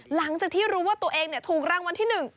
หลังจากที่รู้ว่าตัวเองถูกรางวัลที่๑